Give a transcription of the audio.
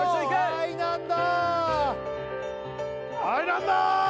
「愛なんだ」